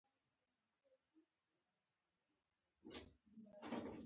د بد زوی له لاسه ښه پلار کنځل کېږي .